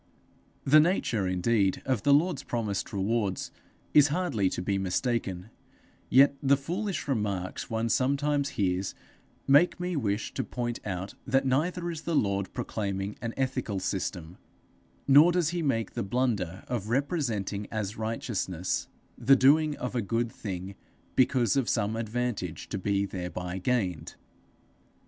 The nature indeed of the Lord's promised rewards is hardly to be mistaken; yet the foolish remarks one sometimes hears, make me wish to point out that neither is the Lord proclaiming an ethical system, nor does he make the blunder of representing as righteousness the doing of a good thing because of some advantage to be thereby gained.